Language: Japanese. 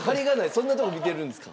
そんなとこ見てるんですか？